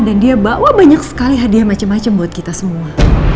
dan dia bawa banyak sekali hadiah macem macem buat kita semua